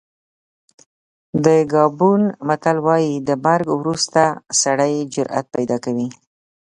د ګابون متل وایي د مرګ وروسته سړی جرأت پیدا کوي.